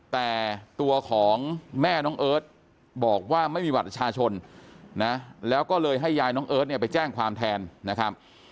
แต่ตัวของแม่น้องเอิร์ทบอกว่าไม่มีบัตรประชาชนนะแล้วก็เลยให้ยายน้องเอิร์ทเนี่ยไปแจ้งความแทนนะครับ